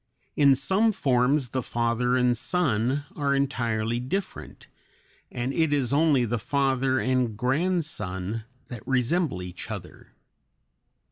In some forms the father and son are entirely different, and it is only the father and grandson that resemble each other.